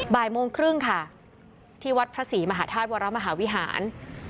บ่ายโมงครึ่งค่ะที่วัดพระศรีมหาธาตุวรมหาวิหาร